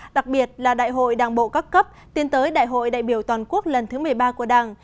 đặc biệt là đại hội đảng bộ các cấp tiến tới đại hội đại biểu toàn quốc lần thứ một mươi ba của đảng